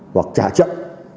hoặc trả chấp